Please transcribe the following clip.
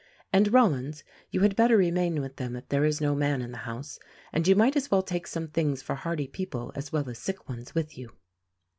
And, Rollins, you had better remain with them if there is no man in the house — and you might as well take some things for hearty people as well as sick ones with you."